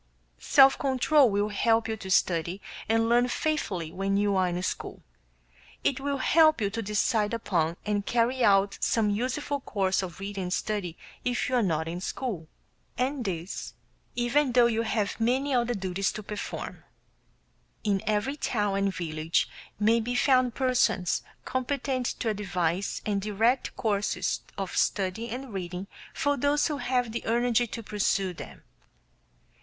Self control will help you to study and learn faithfully when you are in school; it will help you to decide upon and carry out some useful course of reading and study if you are not in school; and this, even though you have many other duties to perform. In every town and village may be found persons competent to advise and direct courses of study and reading for those who have the energy to pursue them.